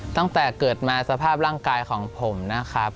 ตั้งแต่เกิดมาสภาพร่างกายของผมนะครับ